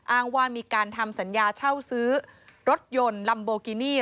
อ้างว่ามีการทำสัญญาเช่าซื้อรถยนต์ลัมโบกินี่